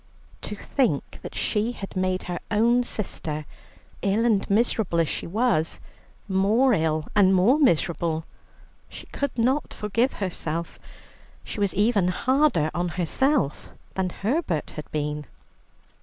To think that she had made her own sister, ill and miserable as she was, more ill and more miserable, she could not forgive herself; she was even harder on herself than Herbert had been.